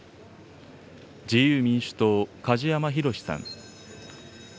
自由民主党、梶山弘志さん。